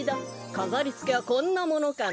かざりつけはこんなものかな。